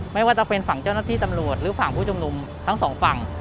ไม่ว่าจะเป็นฝั่งเจ้าหน้าที่ตำรวจหรือฝั่งผู้ชุมนุมทั้งสองฝั่ง